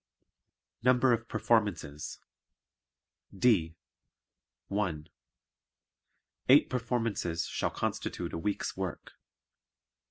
Number of Performances D. (1) Eight performances shall constitute a week's work.